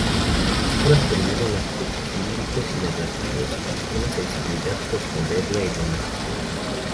Sus obras combinan aspectos líricos y narrativos en una "sensibilidad posmoderna y romántica".